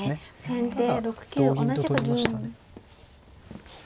先手６九同じく銀。